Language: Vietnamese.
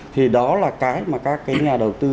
thì đó là cái mà các cái nhà đầu tư